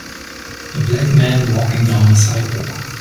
A black man walking down a sidewalk.